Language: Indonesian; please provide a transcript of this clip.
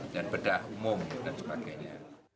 dan bedah umum dan sebagainya